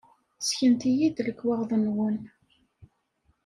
Ssknet-iyi-d lekwaɣeḍ-nwen!